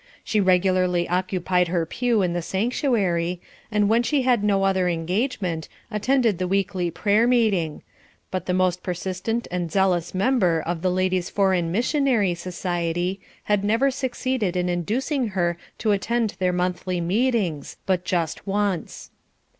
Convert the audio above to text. She regularly occupied her pew in the sanctuary, and when she had no other engagement, attended the weekly prayer meeting, but the most persistent and zealous member of the "Ladies' Foreign Missionary Society" had never succeeded in inducing her to attend their monthly meetings, but just once.